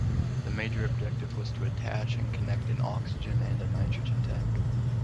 The major objective was to attach and connect an oxygen and a nitrogen tank.